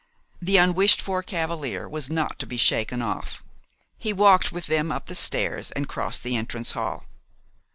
The unwished for cavalier was not to be shaken off. He walked with them up the stairs and crossed the entrance hall.